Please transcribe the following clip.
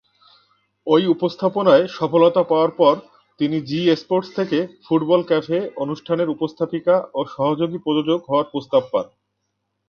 ঐ উপস্থাপনায় সফলতা পাওয়ার পর তিনি জি স্পোর্টস থেকে "ফুটবল ক্যাফে" অনুষ্ঠানের উপস্থাপিকা ও সহযোগী প্রযোজক হওয়ার প্রস্তাব পান।